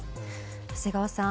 長谷川さん